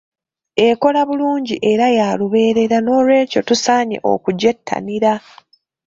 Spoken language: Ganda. Ekola bulungi era ya lubeerera n'olw'ekyo tusaanye okugyettanira.